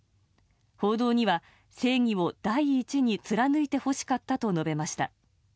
報道には正義を第一に貫いてほしかったと述べました。